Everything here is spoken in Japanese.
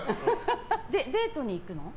デートに行くの？